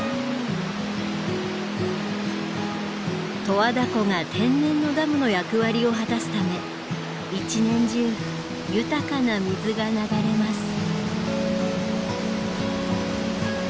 十和田湖が天然のダムの役割を果たすため一年中豊かな水が流れます。